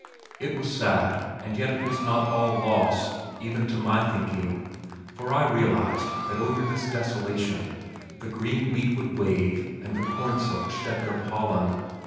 It was sad and yet it was not all loss, even to my thinking, for I realized that over this desolation the green wheat would wave and the corn silks shed their pollen.